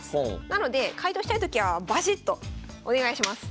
なので解答したいときはバシッとお願いします。